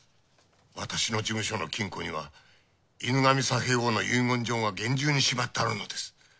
私の事務所の金庫には犬神佐兵衛翁の遺言状が厳重にしまってあるのです。